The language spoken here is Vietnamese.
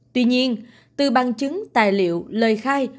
tuy nhiên từ bằng chứng tài liệu lời khai